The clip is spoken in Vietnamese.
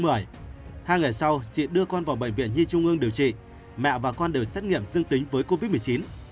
hai ngày sau chị đưa con vào bệnh viện nhi trung ương điều trị mẹ và con đều xét nghiệm dương tính với covid một mươi chín